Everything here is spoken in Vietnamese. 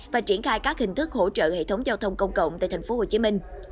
và triển khai các hình thức hỗ trợ hệ thống giao thông công cộng tại tp hcm